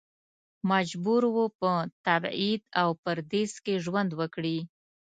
مجبور و په تبعید او پردیس کې ژوند وکړي.